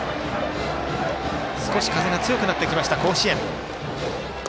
少し風が強くなってきました甲子園。